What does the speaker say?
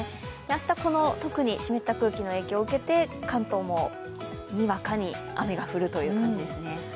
明日、特に湿った空気の影響を受けて関東も、にわかに雨が降るという感じですね。